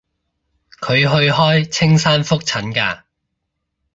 佢去開青山覆診㗎